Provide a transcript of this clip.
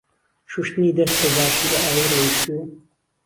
شوشتنی دەست بە باشی بە ئاوی ڕۆیشتوو.